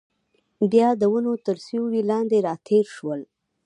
بیا د ونو تر سیوري لاندې راتېر شول.